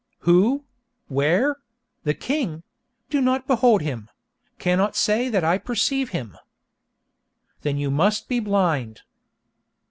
"Who?—where?—the king?—do not behold him—cannot say that I perceive him." Then you must be blind.